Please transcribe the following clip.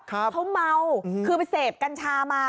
เขาเมาคือไปเสพกัญชามา